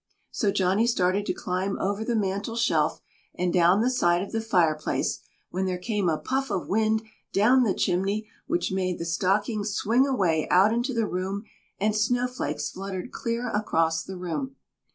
So Johnny started to climb over the mantel shelf and down the side of the fireplace when there came a puff of wind down the chimney which made the stockings swing away out into the room, and snowflakes fluttered clear across the room.